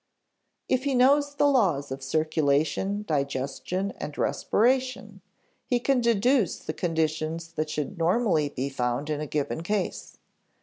If he knows the laws of circulation, digestion, and respiration, he can deduce the conditions that should normally be found in a given case.